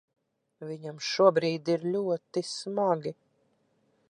Viņam šobrīd ir ļoti smagi.